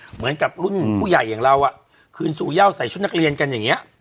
เหมือนกับรุ่นผู้ใหญ่อย่างเราคืนสู่ย่าวใส่ชุดนักเรียนกันอย่างนี้